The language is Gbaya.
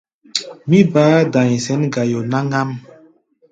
Mí baá da̧i̧ sɛ̌n gayo náŋ-ám.